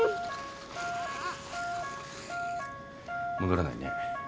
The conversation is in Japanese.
戻らないね。